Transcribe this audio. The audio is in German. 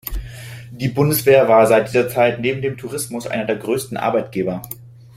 Die Bundeswehr war seit dieser Zeit neben dem Tourismus einer der größten Arbeitgeber.